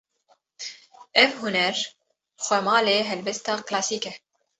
Ev huner, xwemalê helbesta klasîk e